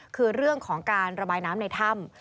คือเรื่องของการระบายน้ำในถ้ำ